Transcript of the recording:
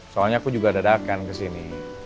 soalnya aku juga dadakan kesini